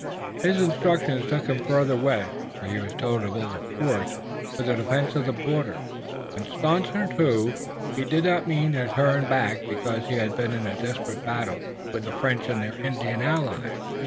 His instructions took him farther west, where he was to build a fort for the defense of the border, and, staunch and true, he did not mean to turn back because he had been in desperate battle with the French and their Indian allies.